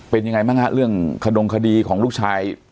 เป็นยังไงบ้างฮะเรื่องขดงคดีของลูกชาย